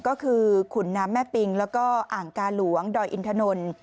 ก็คือขุนน้ำแม่ปิงแล้วก็อ่างกาหลวงดอยอินทนนท์